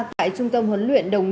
tại trung tâm huấn luyện đồng bình